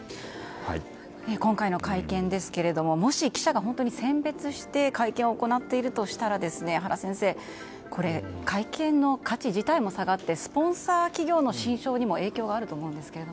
今回の会見ですがもし記者を本当に選別して会見を行っているとすれば原先生会見の価値自体も下がってスポンサー企業の心象にも影響があると思いますが。